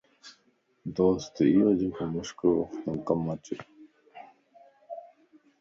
دوست ايو جيڪو مشڪل وقتم ڪم اچي